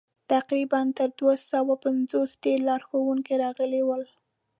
تقریباً تر دوه سوه پنځوسو ډېر لارښوونکي راغلي ول.